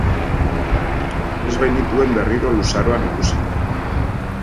Ez bainituen berriro luzaroan ikusiko.